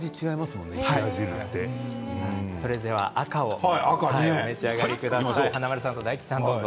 ものね赤をお召し上がりください。